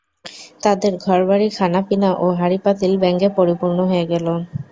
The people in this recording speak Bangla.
তাদের ঘরবাড়ি, খানাপিনা, ও হাঁড়ি-পাতিল ব্যাঙে পরিপূর্ণ হয়ে গেল।